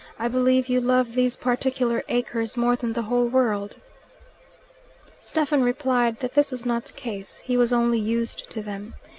"I believe you love these particular acres more than the whole world." Stephen replied that this was not the case: he was only used to them.